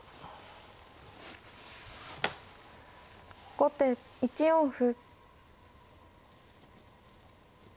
後手１四歩。